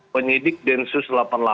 penyidik densus delapan puluh delapan